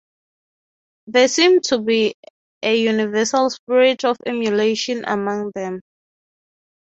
There seem to be a universal spirit of emulation among them.